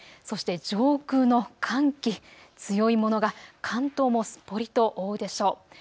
そして上空の寒気、強いものが関東もすっぽりと覆うでしょう。